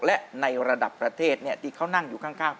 และระดับพระเทศเนี่ย